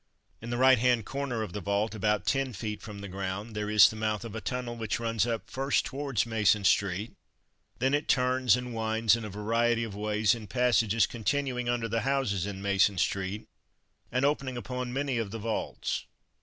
In the right hand corner of the vault, about ten feet from the ground, there is the mouth of a tunnel which runs up first towards Mason street, it then turns and winds in a variety of ways in passages continuing under the houses in Mason street, and opening upon many of the vaults.